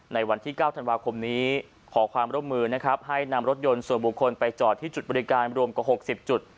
ในวันที่๙ธันวาคมนี้ขอความร่วมมือนะครับให้นำรถยนต์ส่วนบุคคลไปจอดที่จุดบริการรวมกว่า๖๐จุด